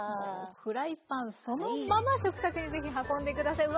フライパンそのまま食卓にぜひ運んで下さい。